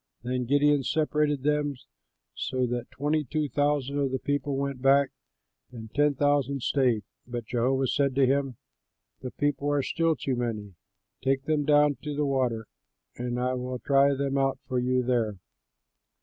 '" Then Gideon separated them, so that twenty two thousand of the people went back home, but ten thousand stayed. But Jehovah said to him, "The people are still too many; take them down to the water, and I will try them out for you there.